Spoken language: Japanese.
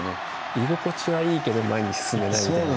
居心地はいいけど前に進めないみたいな。